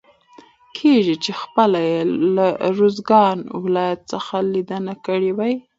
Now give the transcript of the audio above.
کېږي چې خپله يې له روزګان ولايت څخه ليدنه کړي وي.